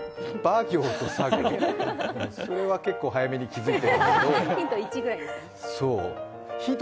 それは結構早めに気づいてるんだけどヒント